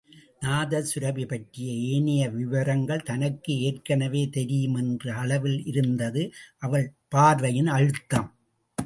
நாதசுரபி பற்றிய ஏனைய விவரங்கள் தனக்கு ஏற்கெனவே தெரியும் என்ற அளவில் இருந்தது அவள் பார்வையின் அழுத்தம்.